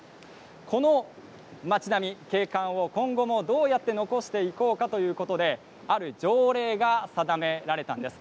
この町並み、景観を今後もどうやって残していこうかということである条例が定められたんです。